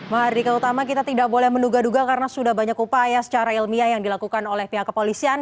mahardika utama kita tidak boleh menduga duga karena sudah banyak upaya secara ilmiah yang dilakukan oleh pihak kepolisian